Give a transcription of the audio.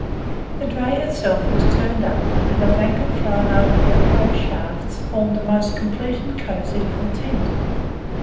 The dray itself was turned up, and a blanket thrown over the up raised shafts formed a most complete and cosy little tent.